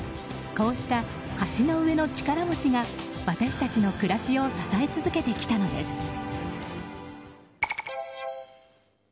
こうした橋の上の力持ちが私たちの暮らしを支え続けてきたのです。